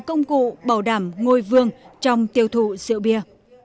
công cụ bảo đảm ngôi vương trong tiêu thụ rượu bia